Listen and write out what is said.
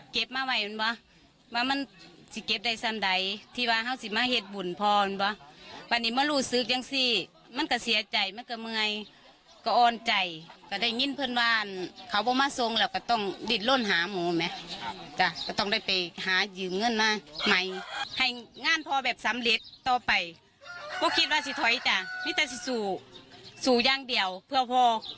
ก็คิดว่าจะถอยอีกจ่ะนี่แต่จะสู้สู้อย่างเดียวเพื่อพ่อ